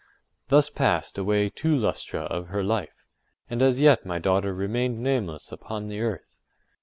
Thus passed away two lustra of her life, and as yet my daughter remained nameless upon the earth.